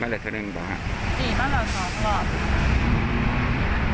ไม่ได้เจอเขาร่งบานไว้แจงครีตตลอดนะครับ